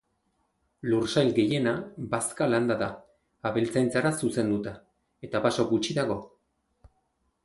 Lursail gehiena bazka-landa da, abeltzaintzara zuzenduta, eta baso gutxi dago.